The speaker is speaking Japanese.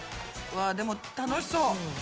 わでも楽しそう。